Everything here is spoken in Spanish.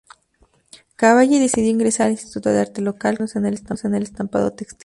Cavalli decidió ingresar al instituto de arte local, concentrándose en el estampado textil.